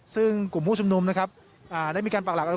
ซึ่งกลุ่มผู้ชุมนุมนะครับได้มีการปากหลักแล้ว